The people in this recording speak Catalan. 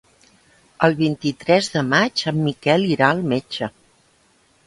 El vint-i-tres de maig en Miquel irà al metge.